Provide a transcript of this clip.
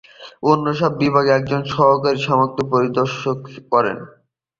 অন্য সব বিভাগ তার একজন সরকারী সমর্থক পরিদর্শন করেন।